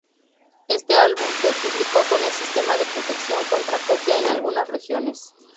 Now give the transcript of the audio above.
Este álbum se publicó con el sistema de protección contra copia en algunas regiones.